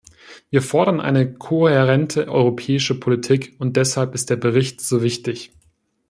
Wir fordern eine kohärente europäische Politik, und deshalb ist der Bericht so wichtig.